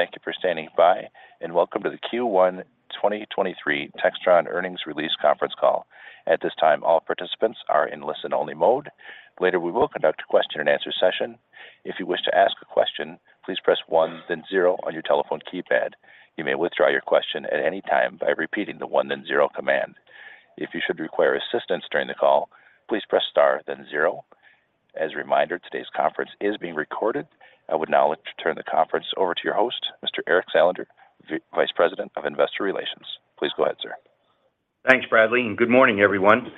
Thank you for standing by and welcome to the Q1 2023 Textron Earnings Release Conference Call. At this time, all participants are in listen-only mode. Later, we will conduct a question-and-answer session. If you wish to ask a question, please press one, then zero on your telephone keypad. You may withdraw your question at any time by repeating the one, then zero command. If you should require assistance during the call, please press star then zero. As a reminder, today's conference is being recorded. I would now like to turn the conference over to your host, Mr. Eric Salander, Vice President of Investor Relations. Please go ahead, sir. Thanks, Bradley, and good morning, everyone.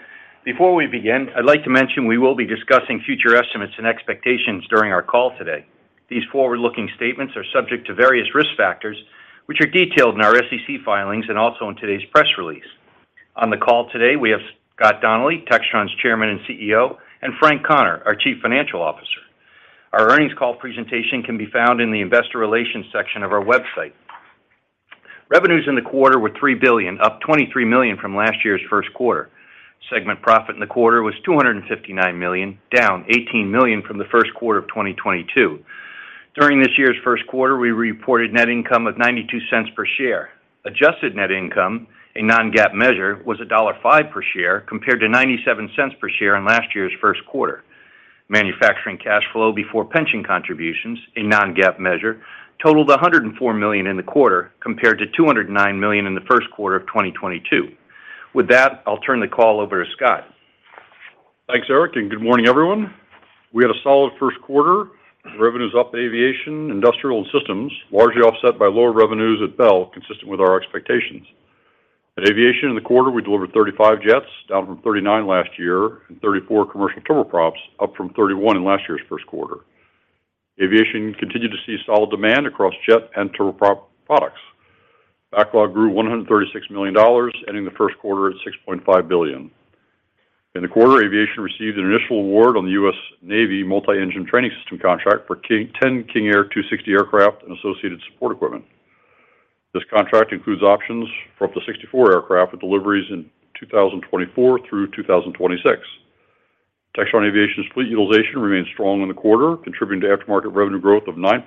Before we begin, I'd like to mention we will be discussing future estimates and expectations during our call today. These forward-looking statements are subject to various risk factors, which are detailed in our SEC filings and also in today's press release. On the call today, we have Scott Donnelly, Textron's Chairman and CEO, and Frank Connor, our Chief Financial Officer. Our earnings call presentation can be found in the Investor Relations section of our website. Revenues in the quarter were $3 billion, up $23 million from last year's first quarter. Segment profit in the quarter was $259 million, down $18 million from the first quarter of 2022. During this year's first quarter, we reported net income of $0.92 per share. Adjusted net income, a non-GAAP measure, was $1.05 per share compared to $0.97 per share in last year's first quarter. Manufacturing cash flow before pension contributions, a non-GAAP measure, totaled $104 million in the quarter compared to $209 million in the first quarter of 2022. With that, I'll turn the call over to Scott. Thanks, Eric. Good morning, everyone. We had a solid first quarter. Revenues up aviation, industrial, and systems, largely offset by lower revenues at Bell, consistent with our expectations. At aviation in the quarter, we delivered 35 jets, down from 39 last year, and 34 commercial turboprops, up from 31 in last year's first quarter. Aviation continued to see solid demand across jet and turboprop products. Backlog grew $136 million, ending the first quarter at $6.5 billion. In the quarter, aviation received an initial award on the U.S. Navy Multi-Engine Training System contract for 10 King Air 260 aircraft and associated support equipment. This contract includes options for up to 64 aircraft with deliveries in 2024 through 2026. Textron Aviation's fleet utilization remained strong in the quarter, contributing to aftermarket revenue growth of 9%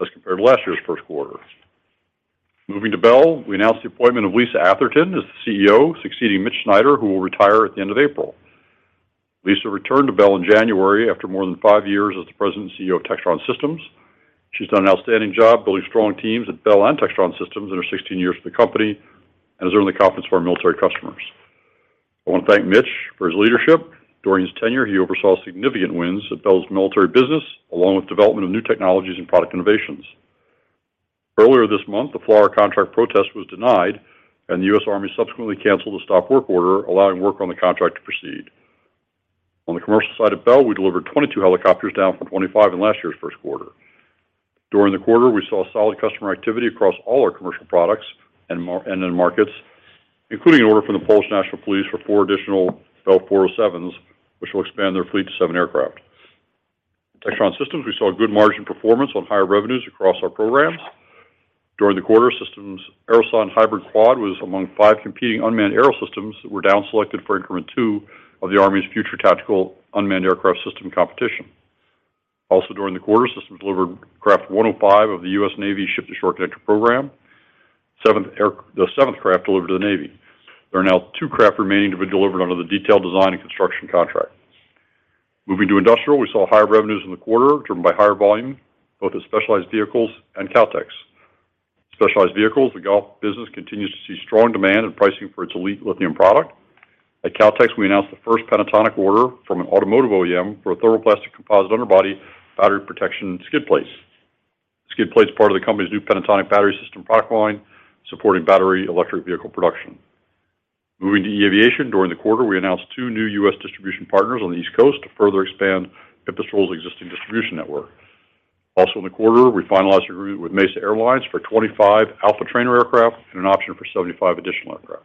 as compared to last year's first quarter. Moving to Bell, we announced the appointment of Lisa Atherton as the CEO, succeeding Mitch Snyder, who will retire at the end of April. Lisa returned to Bell in January after more than five years as the President and CEO of Textron Systems. She's done an outstanding job building strong teams at Bell and Textron Systems in her 16 years with the company and has earned the confidence of our military customers. I want to thank Mitch for his leadership. During his tenure, he oversaw significant wins at Bell's military business, along with development of new technologies and product innovations. Earlier this month, the FLRAA contract protest was denied, and the U.S. Army subsequently canceled the stop work order, allowing work on the contract to proceed. On the commercial side of Bell, we delivered 22 helicopters, down from 25 in last year's first quarter. During the quarter, we saw solid customer activity across all our commercial products and end markets, including an order from the Polish National Police for four additional Bell four oh sevens, which will expand their fleet to seven aircraft. At Textron Systems, we saw good margin performance on higher revenues across our programs. During the quarter, Systems' Aerosonde Hybrid Quad was among five competing unmanned aerosystems that were downselected for Increment two of the Army's Future Tactical Unmanned Aircraft System competition. Also during the quarter, Systems delivered craft 105 of the U.S. Navy Ship-to-Shore Connector program. The seventh craft delivered to the Navy. There are now two craft remaining to be delivered under the detailed design and construction contract. Moving to industrial, we saw higher revenues in the quarter, driven by higher volume, both at Specialized Vehicles and Kautex. Specialized Vehicles, the golf business continues to see strong demand in pricing for its ELiTE Lithium product. At Kautex, we announced the first Pentatonic order from an automotive OEM for a thermoplastic composite underbody battery protection skid plates. Skid plates are part of the company's new Pentatonic battery system product line, supporting battery electric vehicle production. Moving to eAviation, during the quarter, we announced two new U.S. distribution partners on the East Coast to further expand Pipistrel's existing distribution network. In the quarter, we finalized agreement with Mesa Airlines for 25 Alpha Trainer aircraft and an option for 75 additional aircraft.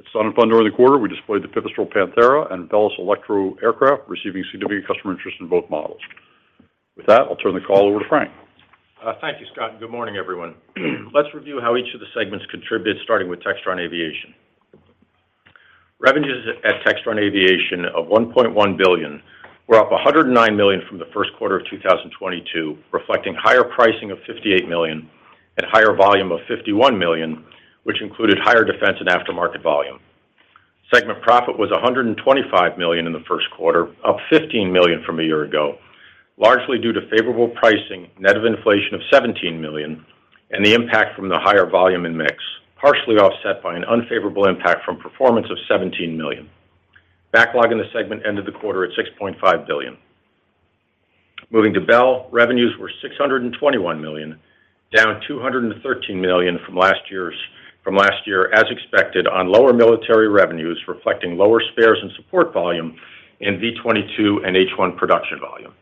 At Sun 'n Fun during the quarter, we displayed the Pipistrel Panthera and Velis Electro aircraft, receiving significant customer interest in both models. With that, I'll turn the call over to Frank. Thank you, Scott, good morning, everyone. Let's review how each of the segments contribute, starting with Textron Aviation. Revenues at Textron Aviation of $1.1 billion were up $109 million from the first quarter of 2022, reflecting higher pricing of $58 million and higher volume of $51 million, which included higher defense and aftermarket volume. Segment profit was $125 million in the first quarter, up $15 million from a year ago, largely due to favorable pricing, net of inflation of $17 million, and the impact from the higher volume in mix, partially offset by an unfavorable impact from performance of $17 million. Backlog in the segment ended the quarter at $6.5 billion. Moving to Bell, revenues were $621 million, down $213 million from last year as expected on lower military revenues, reflecting lower spares and support volume in V-22 and H-1 production volume.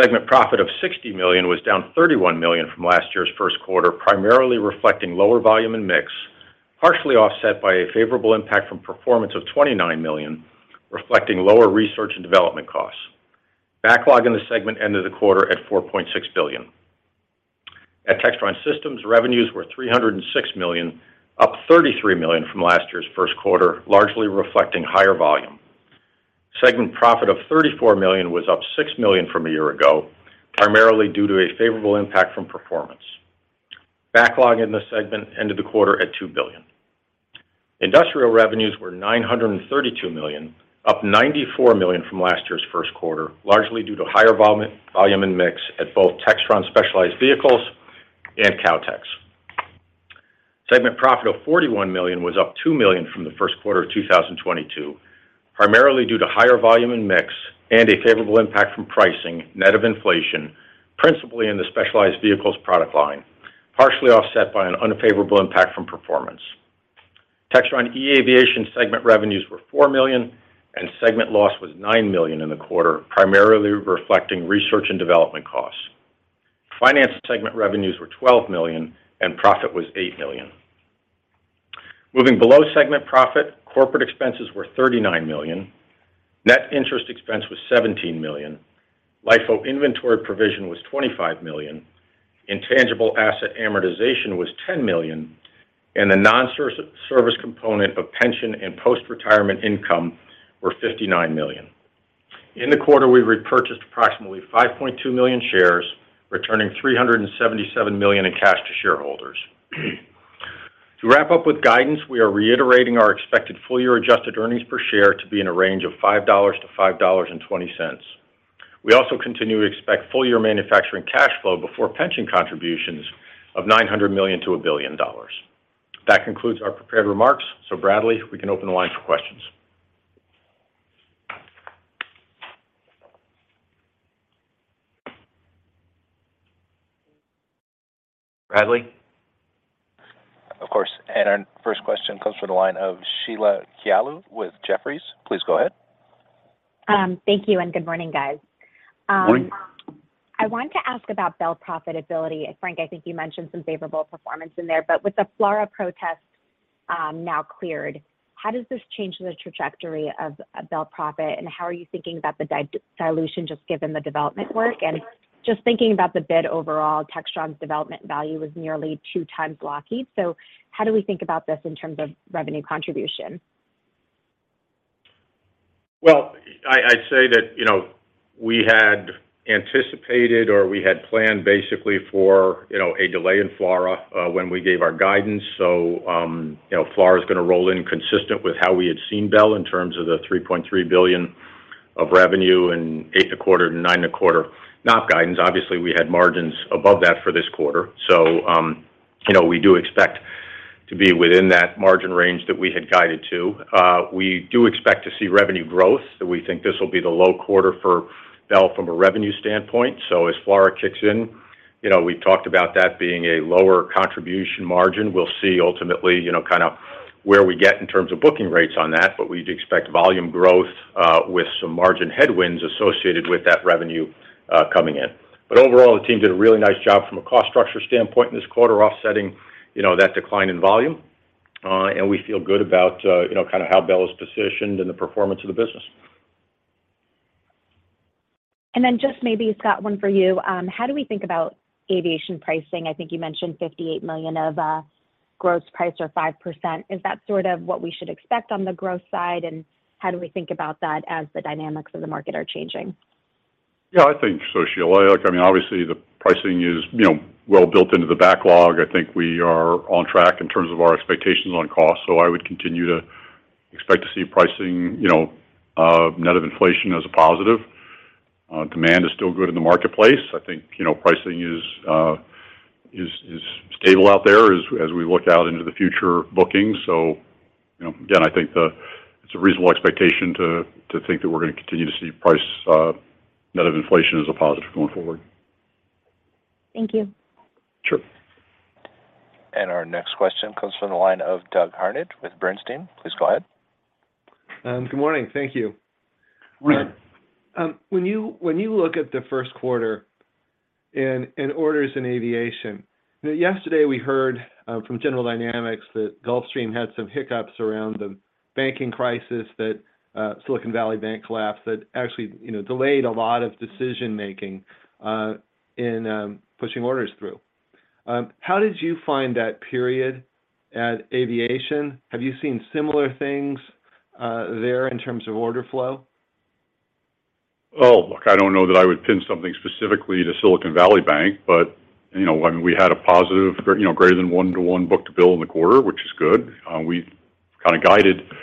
Segment profit of $60 million was down $31 million from last year's first quarter, primarily reflecting lower volume and mix, partially offset by a favorable impact from performance of $29 million, reflecting lower research and development costs. Backlog in the segment ended the quarter at $4.6 billion. At Textron Systems, revenues were $306 million, up $33 million from last year's first quarter, largely reflecting higher volume. Segment profit of $34 million was up $6 million from a year ago, primarily due to a favorable impact from performance. Backlog in this segment ended the quarter at $2 billion. Industrial revenues were $932 million, up $94 million from last year's first quarter, largely due to higher volume and mix at both Textron's specialized vehicles and Kautex. Segment profit of $41 million was up $2 million from the first quarter of 2022, primarily due to higher volume and mix and a favorable impact from pricing net of inflation, principally in the specialized vehicles product line, partially offset by an unfavorable impact from performance. Textron eAviation segment revenues were $4 million, and segment loss was $9 million in the quarter, primarily reflecting research and development costs. Finance segment revenues were $12 million, and profit was $8 million. Moving below segment profit, corporate expenses were $39 million, net interest expense was $17 million, LIFO inventory provision was $25 million, intangible asset amortization was $10 million, and the non-service component of pension and post-retirement income were $59 million. In the quarter, we repurchased approximately 5.2 million shares, returning $377 million in cash to shareholders. To wrap up with guidance, we are reiterating our expected full-year adjusted earnings per share to be in a range of $5.00-$5.20. We also continue to expect full-year manufacturing cash flow before pension contributions of $900 million-$1 billion. That concludes our prepared remarks. Bradley, we can open the line for questions. Bradley? Of course. Our first question comes from the line of Sheila Kahyaoglu with Jefferies. Please go ahead. Thank you, good morning, guys. Morning. I wanted to ask about Bell profitability. Frank, I think you mentioned some favorable performance in there, but with the FLRAA protest now cleared, how does this change the trajectory of Bell profit, and how are you thinking about the dilution just given the development work? Just thinking about the bid overall, Textron's development value was nearly 2 times Lockheed. How do we think about this in terms of revenue contribution? Well, I'd say that, you know, we had anticipated or we had planned basically for, you know, a delay in FLRAA when we gave our guidance. You know, FLRAA is gonna roll in consistent with how we had seen Bell in terms of the $3.3 billion of revenue and $8 a quarter to $9 a quarter NOP guidance. Obviously, we had margins above that for this quarter. You know, we do expect to be within that margin range that we had guided to. We do expect to see revenue growth. We think this will be the low quarter for Bell from a revenue standpoint. As FLRAA kicks in, you know, we talked about that being a lower contribution margin. We'll see ultimately, you know, kind of where we get in terms of booking rates on that. We'd expect volume growth, with some margin headwinds associated with that revenue, coming in. Overall, the team did a really nice job from a cost structure standpoint in this quarter, offsetting, you know, that decline in volume. We feel good about, you know, kind of how Bell is positioned and the performance of the business. Just maybe, Scott, one for you. How do we think about Aviation pricing? I think you mentioned $58 million of gross price or 5%. Is that sort of what we should expect on the growth side? How do we think about that as the dynamics of the market are changing? I think so, Sheila. Like, I mean, obviously, the pricing is, you know, well built into the backlog. I think we are on track in terms of our expectations on cost. I would continue to expect to see pricing, you know, net of inflation as a positive. Demand is still good in the marketplace. I think, you know, pricing is stable out there as we look out into the future bookings. You know, again, I think it's a reasonable expectation to think that we're gonna continue to see price net of inflation as a positive going forward. Thank you. Sure. Our next question comes from the line of Doug Harned with Bernstein. Please go ahead. Good morning. Thank you. Morning. When you look at the first quarter in orders in Aviation, yesterday we heard from General Dynamics that Gulfstream had some hiccups around the banking crisis that Silicon Valley Bank collapsed, that actually, you know, delayed a lot of decision-making in pushing orders through. How did you find that period at Aviation? Have you seen similar things there in terms of order flow? Oh, look, I don't know that I would pin something specifically to Silicon Valley Bank, but, you know, when we had a positive, you know, greater than 1-to-1 book to bill in the quarter, which is good. We kind of guided to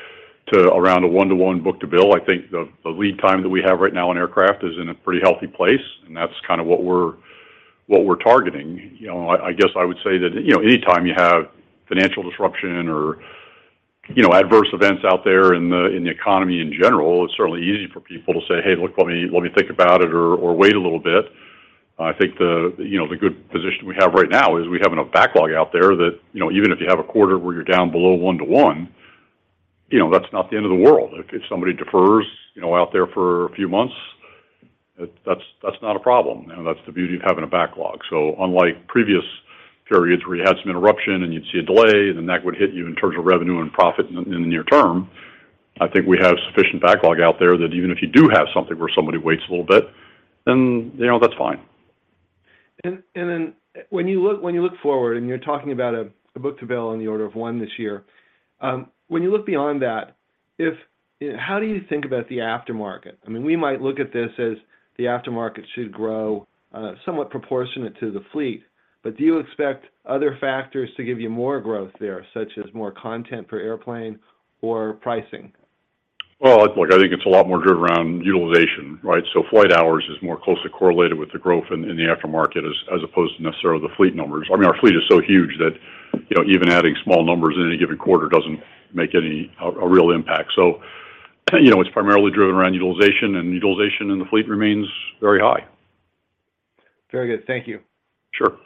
around a 1-to-1 book to bill. I think the lead time that we have right now on aircraft is in a pretty healthy place, and that's kind of what we're targeting. You know, I guess I would say that, you know, anytime you have financial disruption or, you know, adverse events out there in the, in the economy in general, it's certainly easy for people to say, "Hey, look, let me, let me think about it or wait a little bit." I think the, you know, the good position we have right now is we have enough backlog out there that, you know, even if you have a quarter where you're down below one to one, you know, that's not the end of the world. If, if somebody defers, you know, out there for a few months, that's not a problem. You know, that's the beauty of having a backlog. Unlike previous periods where you had some interruption and you'd see a delay, and then that would hit you in terms of revenue and profit in the near term, I think we have sufficient backlog out there that even if you do have something where somebody waits a little bit, then, you know, that's fine. When you look forward and you're talking about a book-to-bill in the order of 1 this year, when you look beyond that, how do you think about the aftermarket? I mean, we might look at this as the aftermarket should grow, somewhat proportionate to the fleet, do you expect other factors to give you more growth there, such as more content per airplane or pricing? Well, look, I think it's a lot more driven around utilization, right? Flight hours is more closely correlated with the growth in the aftermarket as opposed to necessarily the fleet numbers. I mean, our fleet is so huge that, you know, even adding small numbers in any given quarter doesn't make a real impact. You know, it's primarily driven around utilization, and utilization in the fleet remains very high. Very good. Thank you. Sure.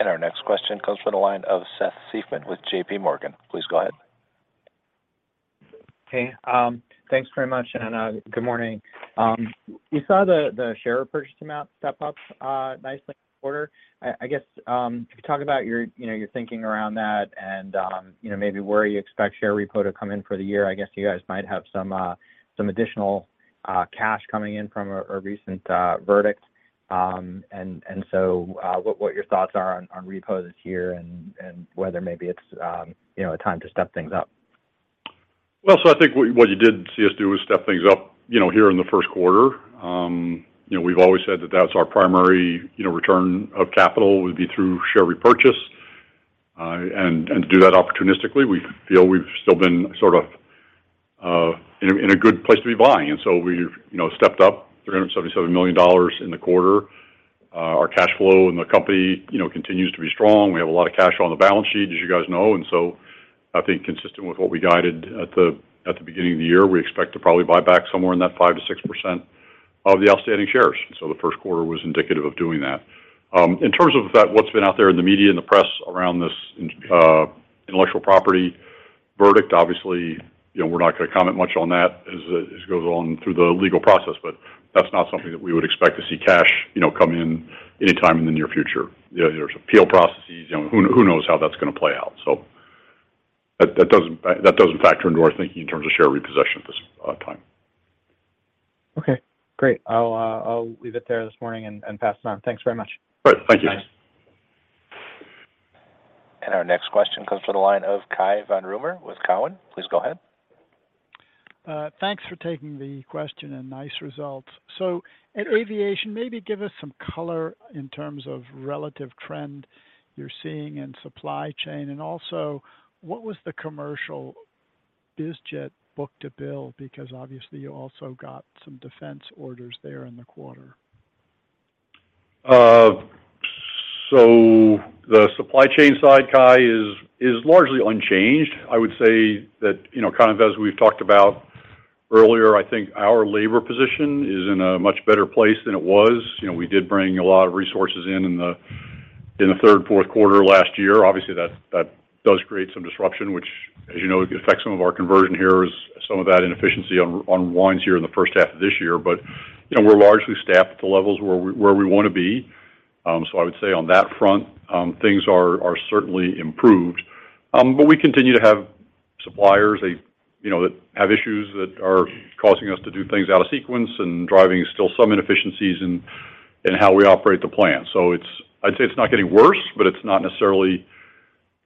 Our next question comes from the line of Seth Seifman with JPMorgan. Please go ahead. Okay. Thanks very much and good morning. We saw the share repurchase amount step up nicely in the quarter. I guess, can you talk about your, you know, your thinking around that and, you know, maybe where you expect share repo to come in for the year. I guess you guys might have some additional cash coming in from a recent verdict. So, what your thoughts are on repos this year and whether maybe it's, you know, a time to step things up. Well, I think what you did see us do is step things up, you know, here in the first quarter. You know, we've always said that that's our primary, you know, return of capital would be through share repurchase, and to do that opportunistically. We feel we've still been sort of in a good place to be buying. We've, you know, stepped up $377 million in the quarter. Our cash flow in the company, you know, continues to be strong. We have a lot of cash on the balance sheet, as you guys know. I think consistent with what we guided at the beginning of the year, we expect to probably buy back somewhere in that 5%-6% of the outstanding shares. The first quarter was indicative of doing that. In terms of the fact what's been out there in the media and the press around this in intellectual property verdict, obviously, you know, we're not gonna comment much on that as it goes on through the legal process, but that's not something that we would expect to see cash, you know, come in anytime in the near future. You know, there's appeal processes. You know, who knows how that's gonna play out. That doesn't factor into our thinking in terms of share repossession at this time. Okay, great. I'll leave it there this morning and pass it on. Thanks very much. Great. Thank you. Our next question comes from the line of Cai von Rumohr with Cowen. Please go ahead. Thanks for taking the question and nice results. At Aviation, maybe give us some color in terms of relative trend you're seeing in supply chain and also what was the commercial biz jet book-to-bill because obviously you also got some defense orders there in the quarter. The supply chain side, Cai, is largely unchanged. I would say that, you know, kind of as we've talked about earlier, I think our labor position is in a much better place than it was. You know, we did bring a lot of resources in the third, fourth quarter last year. Obviously that does create some disruption, which as you know, it affects some of our conversion here as some of that inefficiency unwinds here in the first half of this year. You know, we're largely staffed at the levels where we wanna be. I would say on that front, things are certainly improved. We continue to have suppliers, you know, that have issues that are causing us to do things out of sequence and driving still some inefficiencies in how we operate the plant. I'd say it's not getting worse, but it's not necessarily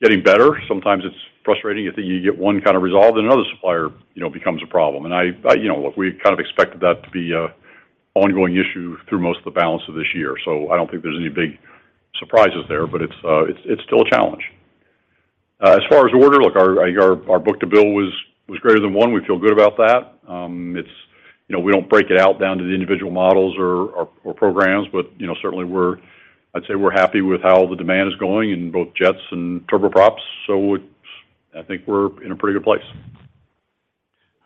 getting better. Sometimes it's frustrating. You think you get one kind of resolved and another supplier, you know, becomes a problem. I, you know, look, we kind of expected that to be an ongoing issue through most of the balance of this year. I don't think there's any big surprises there, but it's still a challenge. As far as order, look, I think our book-to-bill was greater than 1. We feel good about that. It's, you know, we don't break it out down to the individual models or programs, but you know, certainly we're I'd say we're happy with how the demand is going in both jets and turboprops. It's I think we're in a pretty good place.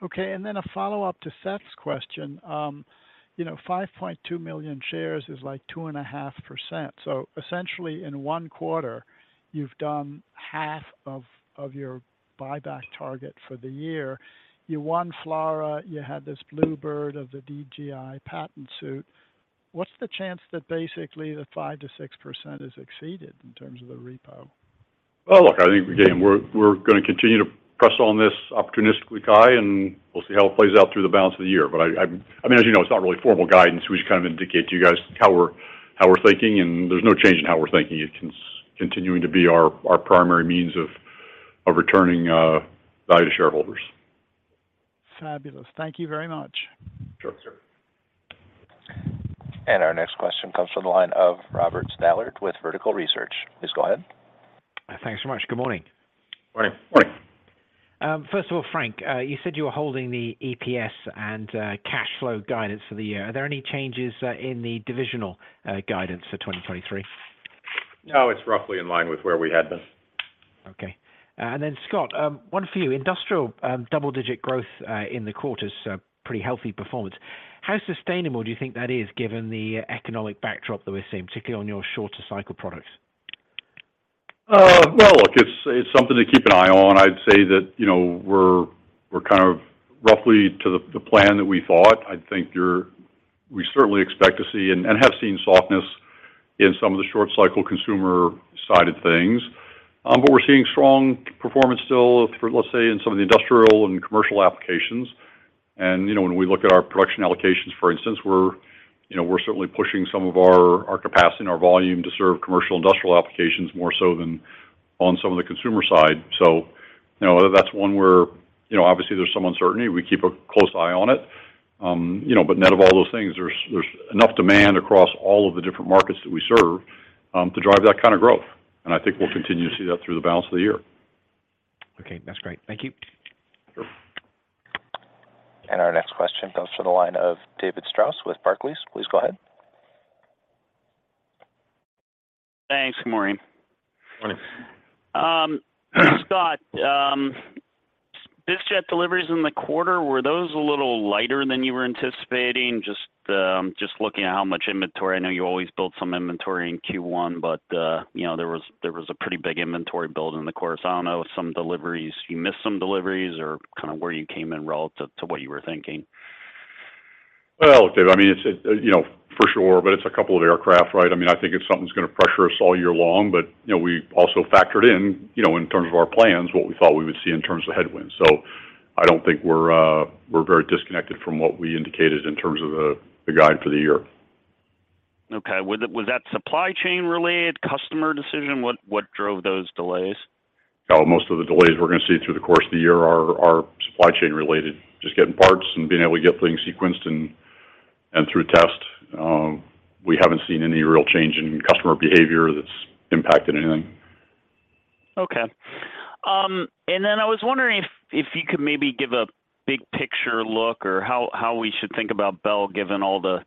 Okay. Then a follow-up to Seth's question. You know, 5.2 million shares is like 2.5%. Essentially in one quarter you've done half of your buyback target for the year. You won FLRAA, you had this bluebird of the DJI patent suit. What's the chance that basically the 5%-6% is exceeded in terms of the repo? Look, I think again, we're gonna continue to press on this opportunistically, Cai, and we'll see how it plays out through the balance of the year. I mean, as you know, it's not really formal guidance. We just kind of indicate to you guys how we're thinking, and there's no change in how we're thinking. It continuing to be our primary means of returning value to shareholders. Fabulous. Thank you very much. Sure, sir. Our next question comes from the line of Robert Stallard with Vertical Research. Please go ahead. Thanks so much. Good morning. Morning. First of all, Frank, you said you were holding the EPS and cash flow guidance for the year. Are there any changes in the divisional guidance for 2023? No, it's roughly in line with where we had been. Okay. Scott, one for you. Industrial, double-digit growth, in the quarter is a pretty healthy performance. How sustainable do you think that is given the economic backdrop that we're seeing, particularly on your shorter cycle products? Well, look, it's something to keep an eye on. I'd say that, you know, we're kind of roughly to the plan that we thought. We certainly expect to see and have seen softness in some of the short cycle consumer sided things. We're seeing strong performance still for, let's say, in some of the industrial and commercial applications. You know, when we look at our production allocations, for instance, we're, you know, we're certainly pushing some of our capacity and our volume to serve commercial industrial applications more so than on some of the consumer side. You know, that's one where, you know, obviously there's some uncertainty. We keep a close eye on it. You know, net of all those things, there's enough demand across all of the different markets that we serve to drive that kind of growth, and I think we'll continue to see that through the balance of the year. Okay, that's great. Thank you. Sure. Our next question goes to the line of David Strauss with Barclays. Please go ahead. Thanks. Good morning. Morning. Scott, biz jet deliveries in the quarter, were those a little lighter than you were anticipating? Just looking at how much inventory. I know you always build some inventory in Q1, but, you know, there was a pretty big inventory build in the course. I don't know, some deliveries. You missed some deliveries or kind of where you came in relative to what you were thinking. Dave, I mean, you know for sure, it's a couple of aircraft, right? I think it's something that's gonna pressure us all year long. You know, we also factored in, you know, in terms of our plans, what we thought we would see in terms of headwinds. I don't think we're very disconnected from what we indicated in terms of the guide for the year. Okay. Was that supply chain related, customer decision? What drove those delays? Most of the delays we're gonna see through the course of the year are supply chain related, just getting parts and being able to get things sequenced and through test. We haven't seen any real change in customer behavior that's impacted anything. Okay. I was wondering if you could maybe give a big picture look or how we should think about Bell given all the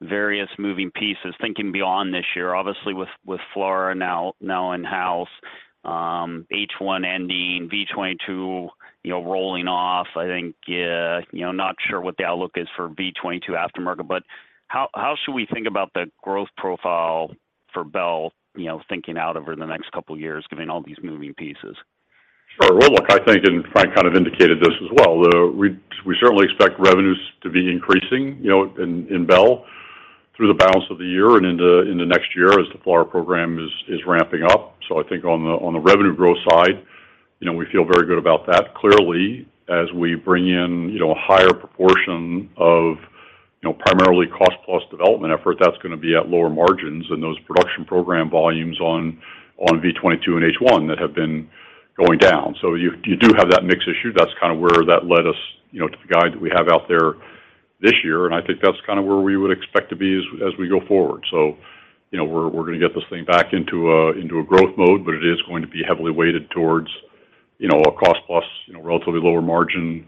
various moving pieces, thinking beyond this year. Obviously, with FLRAA now in-house, H-1 ending, V-22, you know, rolling off. I think, you know, not sure what the outlook is for V-22 aftermarket, but how should we think about the growth profile for Bell, you know, thinking out over the next couple of years, given all these moving pieces? Look, I think, and Frank kind of indicated this as well, we certainly expect revenues to be increasing, you know, in Bell through the balance of the year and into next year as the FLRAA program is ramping up. I think on the revenue growth side, you know, we feel very good about that. Clearly, as we bring in, you know, a higher proportion of, you know, primarily cost-plus development effort, that's gonna be at lower margins and those production program volumes on V-22 and H-1 that have been going down. You do have that mix issue. That's kind of where that led us, you know, to the guide that we have out there this year, and I think that's kind of where we would expect to be as we go forward. We're gonna get this thing back into a growth mode, but it is going to be heavily weighted towards, you know, a cost plus, you know, relatively lower margin,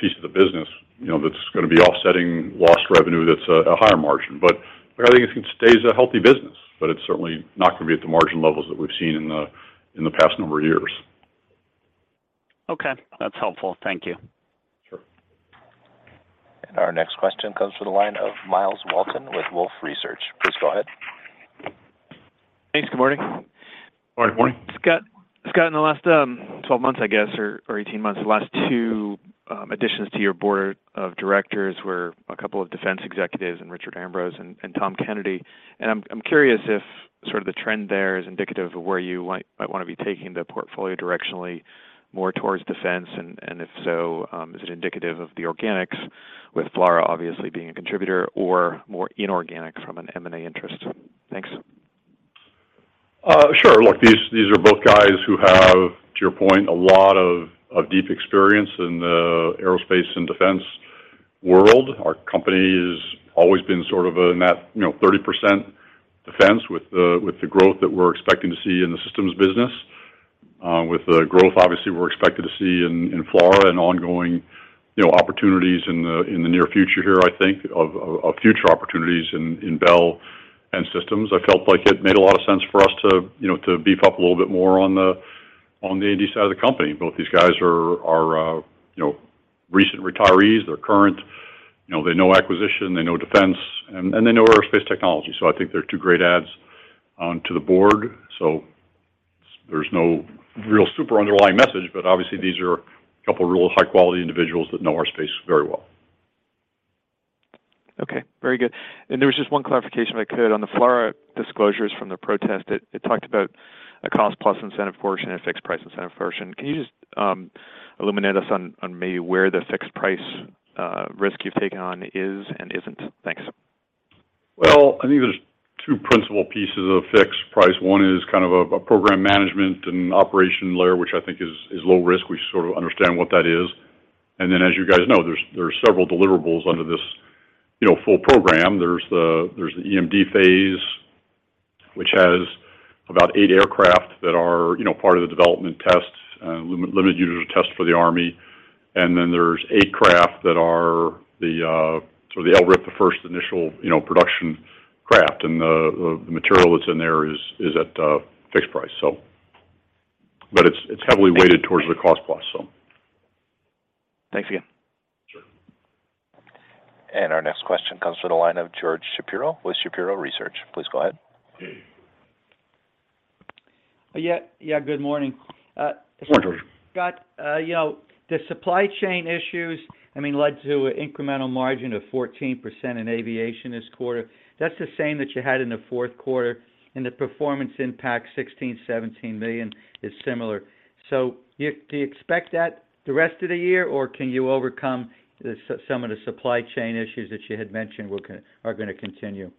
piece of the business, you know, that's gonna be offsetting lost revenue that's a higher margin. I think it stays a healthy business, but it's certainly not gonna be at the margin levels that we've seen in the past number of years. Okay. That's helpful. Thank you. Sure. Our next question comes to the line of Myles Walton with Wolfe Research. Please go ahead. Thanks. Good morning. Good morning. Scott, in the last 12 months, I guess, or 18 months, the last 2 additions to your Board of Directors were a couple of defense executives in Richard Ambrose and Tom Kennedy. I'm curious if sort of the trend there is indicative of where you might wanna be taking the portfolio directionally more towards defense, and if so, is it indicative of the organics with FLRAA obviously being a contributor or more inorganic from an M&A interest? Thanks. Sure. Look, these are both guys who have, to your point, a lot of deep experience in the aerospace and defense world. Our company has always been sort of in that, you know, 30% defense with the growth that we're expecting to see in the systems business. With the growth, obviously, we're expected to see in FLRAA and ongoing, you know, opportunities in the near future here, I think of future opportunities in Bell and systems. I felt like it made a lot of sense for us to, you know, to beef up a little bit more on the A&D side of the company. Both these guys are, you know, recent retirees, they're current. You know, they know acquisition, they know defense, and they know aerospace technology. I think they're two great adds on to the board. There's no real super underlying message, but obviously these are a couple of real high-quality individuals that know our space very well. Okay. Very good. There was just one clarification if I could. On the FLRAA disclosures from the protest, it talked about a cost-plus incentive portion and a fixed-price incentive portion. Can you just illuminate us on maybe where the fixed-price risk you've taken on is and isn't? Thanks. I think there's two principal pieces of fixed price. One is kind of a program management and operation layer, which I think is low risk. We sort of understand what that is, and then as you guys know, there's several deliverables under this, you know, full program. There's the EMD phase, which has about eight aircraft that are, you know, part of the development tests, limited user test for the Army. And then, there's eight craft that are sort of the LRIP, the first initial, you know, production craft, and the material that's in there is at fixed price. But it's heavily weighted towards the cost plus. Thanks again. Sure. Our next question comes from the line of George Shapiro with Shapiro Research. Please go ahead. Yeah, good morning. Good morning. Scott, you know, the supply chain issues, I mean, led to an incremental margin of 14% in Textron Aviation this quarter. That's the same that you had in the fourth quarter, and the performance impact, $16 million-$17 million, is similar. Do you expect that the rest of the year, or can you overcome some of the supply chain issues that you had mentioned are going to continue?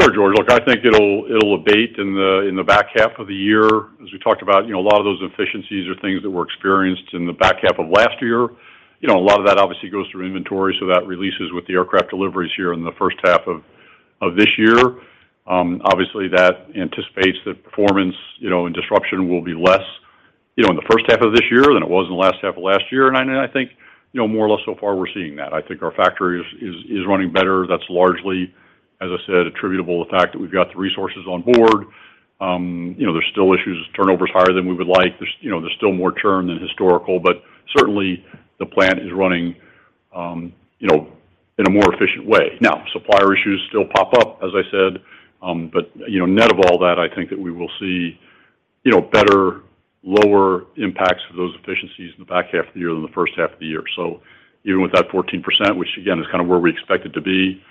Sure, George. Look, I think it'll abate in the back half of the year. As we talked about, you know, a lot of those efficiencies are things that were experienced in the back half of last year. You know, a lot of that obviously goes through inventory, so that releases with the aircraft deliveries here in the first half of this year. Obviously, that anticipates that performance, you know, and disruption will be less, you know, in the first half of this year than it was in the last half of last year. I think, you know, more or less so far, we're seeing that. I think our factory is running better. That's largely, as I said, attributable to the fact that we've got the resources on board. You know, there's still issues, turnover is higher than we would like. There's, you know, there's still more churn than historical, but certainly, the plant is running, you know, in a more efficient way. Now, supplier issues still pop up, as I said. You know, net of all that, I think that we will see, you know, better, lower impacts of those efficiencies in the back half of the year than the first half of the year. Even with that 14%, which again is kind of where we expect it to be,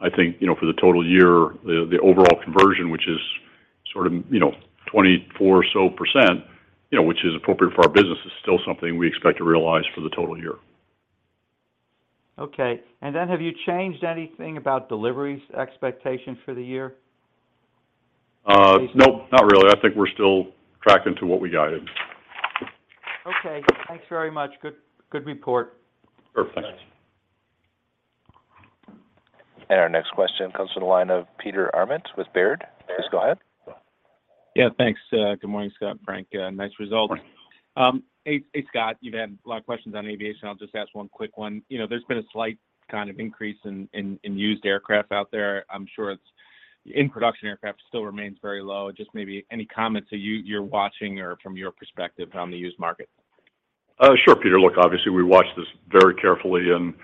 I think, you know, for the total year, the overall conversion, which is sort of, you know, 24% or so, you know, which is appropriate for our business, is still something we expect to realize for the total year. Okay. Then have you changed anything about deliveries expectation for the year? Nope, not really. I think we're still tracking to what we guided. Okay, thanks very much. Good, good report. Perfect. Thanks. Our next question comes from the line of Peter Arment with Baird. Please go ahead. Yeah, thanks. Good morning, Scott, Frank. Nice result. Morning. Hey, Scott, you've had a lot of questions on aviation. I'll just ask one quick one. You know, there's been a slight kind of increase in used aircraft out there. I'm sure in production aircraft still remains very low. Just maybe any comments that you're watching or from your perspective on the used market? Sure, Peter. Look, obviously, we watch this very carefully and,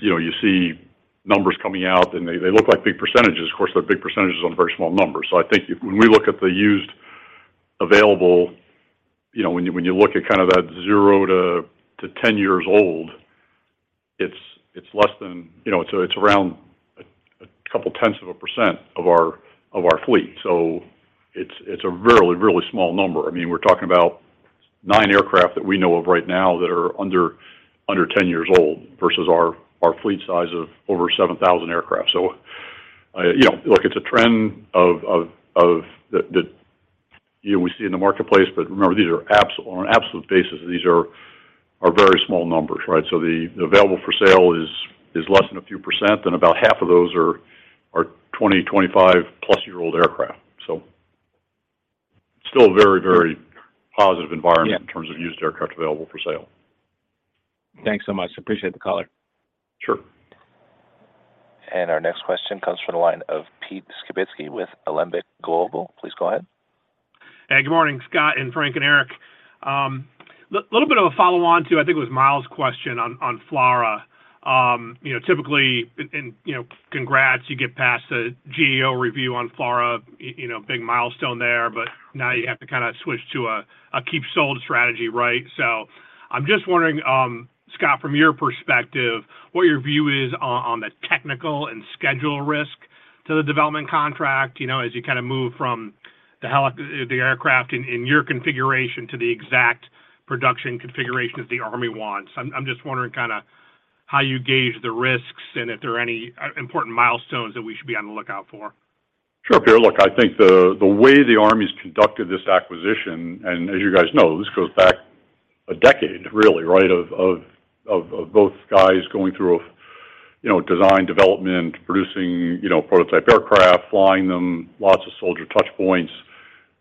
you know, you see numbers coming out, and they look like big percentages. Of course, they're big percentages on very small numbers. I think when we look at the used available, you know, when you, when you look at kind of that 0-10 years old, it's less than, you know, it's around a couple tenths of a percent of our fleet. It's a really, really small number. I mean, we're talking about nine aircraft that we know of right now that are under 10 years old versus our fleet size of over 7,000 aircraft. You know, look, it's a trend of the, you know, we see in the marketplace. Remember, on an absolute basis, these are very small numbers, right? The available for sale is less than a few percent, and about half of those are 20, 25+ years old aircraft. Still a very, very positive environment in terms of used aircraft available for sale. Thanks so much. Appreciate the color. Sure. Our next question comes from the line of Pete Skibitski with Alembic Global. Please go ahead. Hey, good morning, Scott and Frank and Eric. Little bit of a follow-on to, I think it was Myles' question on FLRAA. You know, typically, and, you know, congrats, you get past the GAO review on FLRAA, you know, big milestone there, but now you have to kind of switch to a keep sold strategy, right? I'm just wondering, Scott, from your perspective, what your view is on the technical and schedule risk to the development contract, you know, as you kind of move from the aircraft in your configuration to the exact production configuration that the Army wants. I'm just wondering kind of how you gauge the risks and if there are any important milestones that we should be on the lookout for? Sure, Peter. Look, I think the way the Army's conducted this acquisition, as you guys know, this goes back a decade, really, right? Of both guys going through a, you know, design, development, producing, you know, prototype aircraft, flying them, lots of soldier touch points,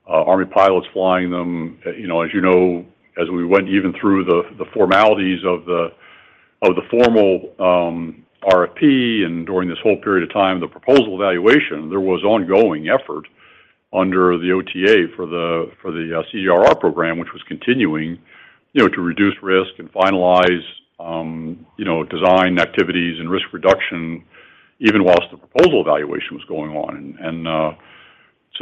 Army pilots flying them. You know, as you know, as we went even through the formalities of the formal RFP. During this whole period of time, the proposal evaluation, there was ongoing effort under the OTA for the CGRR program, which was continuing, you know, to reduce risk and finalize, you know, design activities and risk reduction, even whilst the proposal evaluation was going on.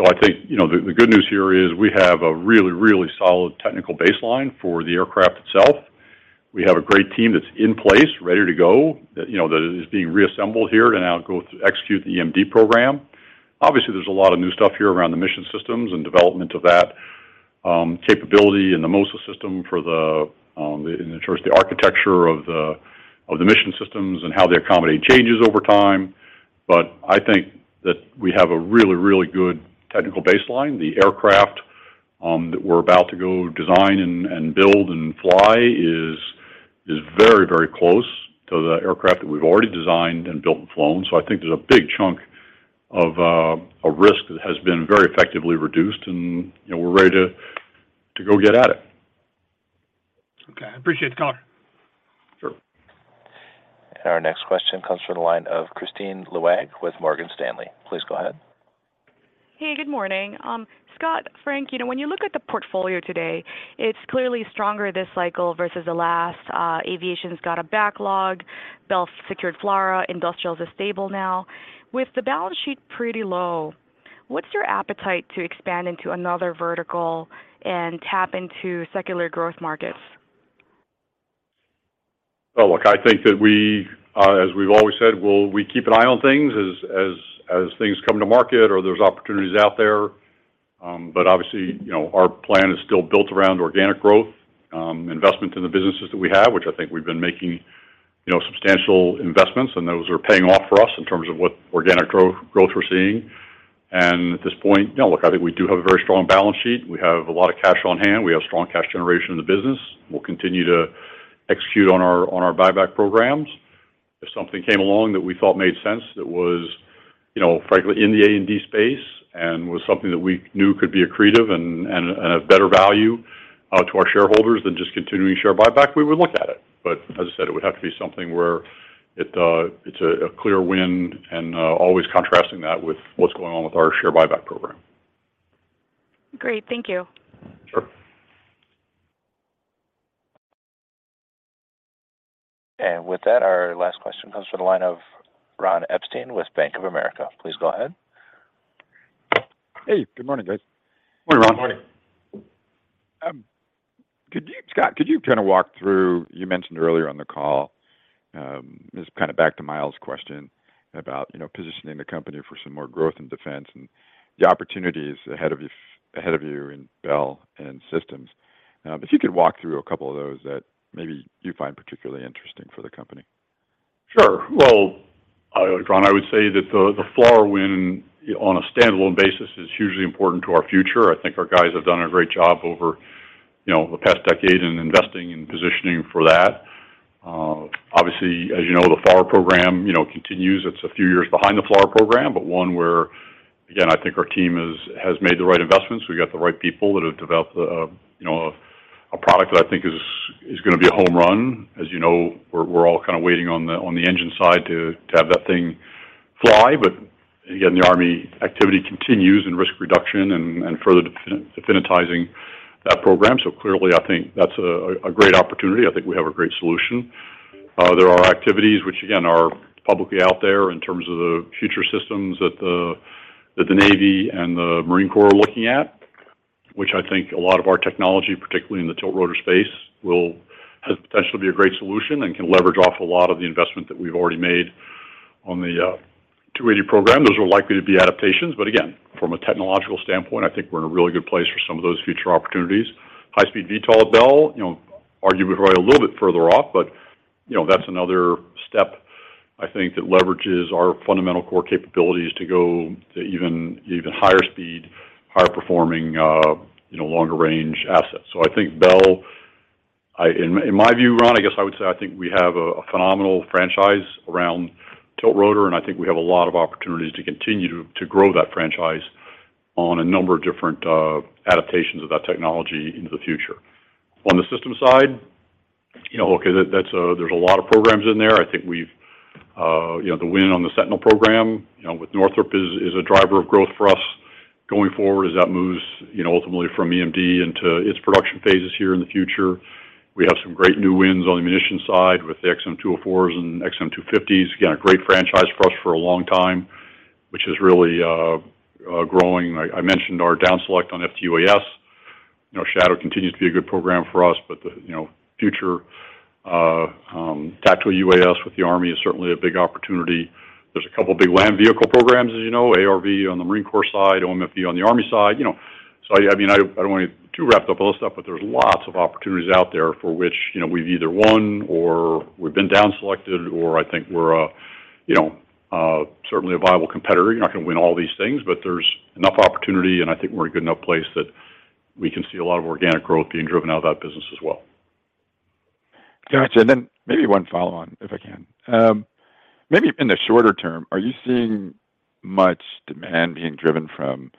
I think, you know, the good news here is we have a really, really solid technical baseline for the aircraft itself. We have a great team that's in place, ready to go, that, you know, that is being reassembled here to now go through execute the EMD program. Obviously, there's a lot of new stuff here around the mission systems and development of that capability and the MOSA system for the in terms of the architecture of the mission systems and how they accommodate changes over time. I think that we have a really, really good technical baseline. The aircraft that we're about to go design and build and fly is very, very close to the aircraft that we've already designed and built and flown. I think there's a big chunk of a risk that has been very effectively reduced, and, you know, we're ready to go get at it. Okay. I appreciate the color. Sure. Our next question comes from the line of Kristine Liwag with Morgan Stanley. Please go ahead. Hey, good morning. Scott, Frank, you know, when you look at the portfolio today, it's clearly stronger this cycle versus the last. Aviation's got a backlog. Bell secured FLRAA. Industrial is stable now. With the balance sheet pretty low, what's your appetite to expand into another vertical and tap into secular growth markets? Look, I think that we, as we've always said, we keep an eye on things as things come to market or there's opportunities out there. But obviously, you know, our plan is still built around organic growth, investment in the businesses that we have, which I think we've been making, you know, substantial investments, and those are paying off for us in terms of what organic growth we're seeing. At this point, you know, look, I think we do have a very strong balance sheet. We have a lot of cash on hand. We have strong cash generation in the business. We'll continue to execute on our buyback programs. If something came along that we thought made sense, that was, you know, frankly, in the A&D space and was something that we knew could be accretive and a better value to our shareholders than just continuing share buyback, we would look at it. As I said, it would have to be something where it's a clear win and always contrasting that with what's going on with our share buyback program. Great. Thank you. Sure. With that, our last question comes from the line of Ron Epstein with Bank of America. Please go ahead. Hey, good morning, guys. Good morning, Ron. Good morning. Scott, could you kind of walk through, you mentioned earlier on the call, just kind of back to Myles' question about, you know, positioning the company for some more growth in defense and the opportunities ahead of you in Bell and Systems, if you could walk through a couple of those that maybe you find particularly interesting for the company? Sure. Ron, I would say that the FLRAA win on a standalone basis is hugely important to our future. I think our guys have done a great job over, you know, the past decade in investing and positioning for that. Obviously, as you know, the FLRAA program, you know, continues. It's a few years behind the FLRAA program, but one where, again, I think our team has made the right investments. We got the right people that have developed, you know, a product that I think is gonna be a home run. As you know, we're all kind of waiting on the engine side to have that thing fly. Again, the U.S. Army activity continues in risk reduction and further definitizing that program. Clearly, I think that's a great opportunity. I think we have a great solution. There are activities which, again, are publicly out there in terms of the future systems that the Navy and the Marine Corps are looking at, which I think a lot of our technology, particularly in the tiltrotor space, has potential to be a great solution and can leverage off a lot of the investment that we've already made on the 280 program. Those are likely to be adaptations. Again, from a technological standpoint, I think we're in a really good place for some of those future opportunities. High speed VTOL at Bell, you know, arguably a little bit further off, but, you know, that's another step I think that leverages our fundamental core capabilities to go to even higher speed, higher performing, you know, longer range assets. I think Bell, in my view, Ron, I guess I would say I think we have a phenomenal franchise around tiltrotor, and I think we have a lot of opportunities to continue to grow that franchise on a number of different adaptations of that technology into the future. On the system side, you know, okay, that's a there's a lot of programs in there. I think we've, you know, the win on the Sentinel program, you know, with Northrop is a driver of growth for us going forward as that moves, you know, ultimately from EMD into its production phases here in the future. We have some great new wins on the munition side with the XM204s and XM250s. Again, a great franchise for us for a long time, which is really growing. I mentioned our down select on FTUAS. You know, Shadow continues to be a good program for us, but the future tactical UAS with the Army is certainly a big opportunity. There's a couple big land vehicle programs, as you know, ARV on the Marine Corps side, OMFV on the Army side. You know, I mean, I don't want to too wrap up all this stuff, but there's lots of opportunities out there for which, you know, we've either won or we've been down selected, or I think we're certainly a viable competitor. You're not gonna win all these things, but there's enough opportunity, and I think we're in a good enough place that we can see a lot of organic growth being driven out of that business as well. Got you. Maybe one follow on, if I can. Maybe in the shorter term, are you seeing much demand being driven from,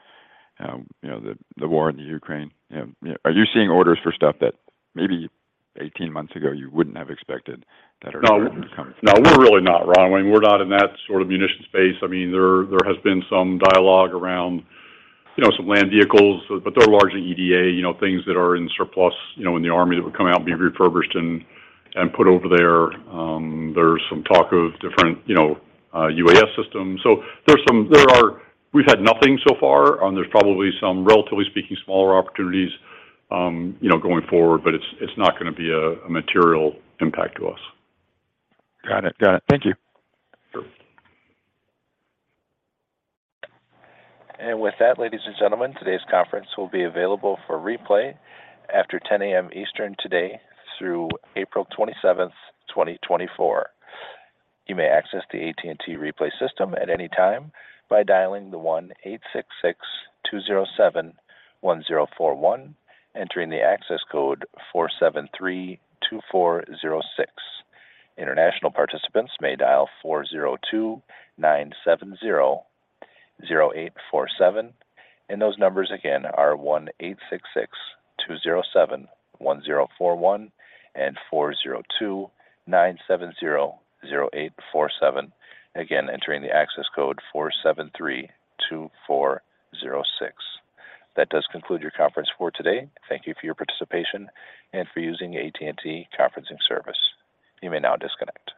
you know, the war in Ukraine? You know, are you seeing orders for stuff that maybe 18 months ago you wouldn't have expected that are now coming from? No, we're really not, Ron. We're not in that sort of munition space. I mean, there has been some dialogue around, you know, some land vehicles, but they're largely EDA, you know, things that are in surplus, you know, in the Army that would come out and be refurbished and put over there. There's some talk of different, you know, UAS systems. We've had nothing so far. There's probably some, relatively speaking, smaller opportunities, you know, going forward, but it's not gonna be a material impact to us. Got it. Thank you. Sure. With that, ladies and gentlemen, today's conference will be available for replay after 10:00 A.M. Eastern today through April 27th, 2024. You may access the AT&T replay system at any time by dialing the 18662071041, entering the access code 4732406. International participants may dial 4029700847. Those numbers again are 18662071041 and 4029700847. Entering the access code 4732406. That does conclude your conference for today. Thank you for your participation and for using AT&T Conferencing Service. You may now disconnect.